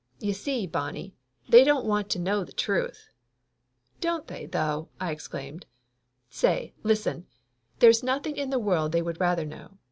"You see, Bonnie, they don't want to know the truth !" "Don't they, though!" I exclaimed. "Say, listen! There's nothing in the world they would rather know.